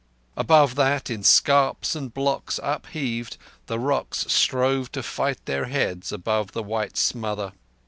Above that, in scarps and blocks upheaved, the rocks strove to fight their heads above the white smother.